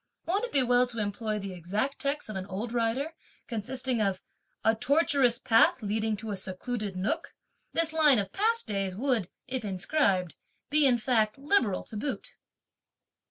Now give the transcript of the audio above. Won't it be well to employ the exact text of an old writer consisting of 'a tortuous path leading to a secluded (nook).' This line of past days would, if inscribed, be, in fact, liberal to boot."